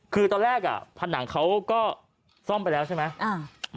คือตอนแรกผนังเขาก็ซ่อมไปแล้วใช่ไหม